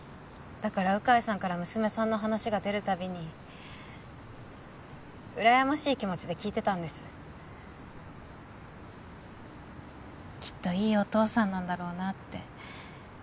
だから鵜飼さんから娘さんの話が出るたびにうらやましい気持ちで聞いてたんですきっといいお父さんなんだろうなって